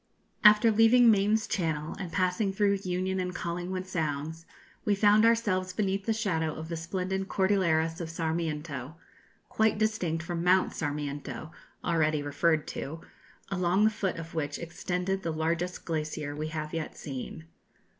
After leaving Mayne's Channel, and passing through Union and Collingwood Sounds, we found ourselves beneath the shadow of the splendid Cordilleras of Sarmiento quite distinct from Mount Sarmiento, already referred to along the foot of which extended the largest glacier we have yet seen.